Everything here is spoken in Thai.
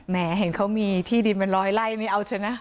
แหมให้เขามีที่ดินไปรอยไล่อันนี้เอาเฉยนะ